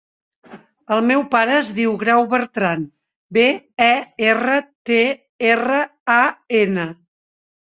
El meu pare es diu Grau Bertran: be, e, erra, te, erra, a, ena.